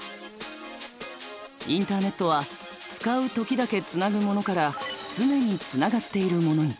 インターネットは使う時だけつなぐものから常につながっているものに。